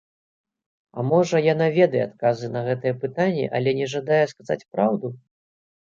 А можа, яна ведае адказы на гэтыя пытанні, але не жадае сказаць праўду?